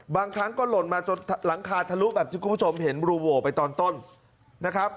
บางครั้งก็หล่นมาจนหลังคาทะลุแบบที่คุณผู้ชมเห็นรูโหวไปตอนต้นนะครับ